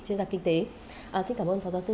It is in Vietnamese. chuyên gia kinh tế xin cảm ơn phó giáo sư